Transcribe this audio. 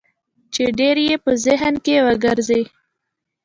چې ډېر يې په ذهن کې ورګرځي.